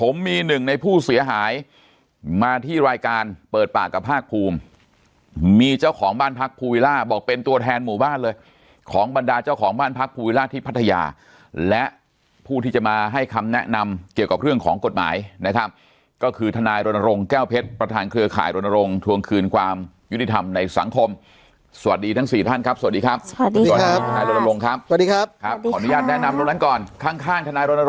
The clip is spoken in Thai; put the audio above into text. มาที่รายการเปิดปากกับภาคภูมิมีเจ้าของบ้านพักภูวิลาบอกเป็นตัวแทนหมู่บ้านเลยของบรรดาเจ้าของบ้านพักภูวิลาที่พัทยาและผู้ที่จะมาให้คำแนะนำเกี่ยวกับเรื่องของกฎหมายนะครับก็คือทนายรณรงค์แก้วเพชรประทานเครือข่ายรณรงค์ทวงคืนความยุนิธรรมในสังคมสวัสดีทั้งสี่ท่านครับสวัสด